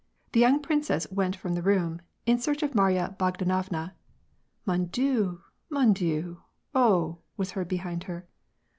The young princess went from the room in search of Marya Bogdanovna ^' Mo7i Dieu / Mon Dieu / Oh !" was heard behind her.